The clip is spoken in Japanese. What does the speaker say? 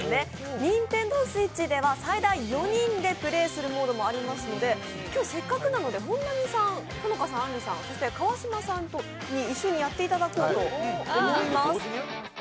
ＮｉｎｔｅｎｄｏＳｗｉｔｃｈでは最大４人でプレイするものもありますので今日、せっかくなので本並さん、好花さん、あんりさん、そして川島さんに一緒にやっていただこうと思います。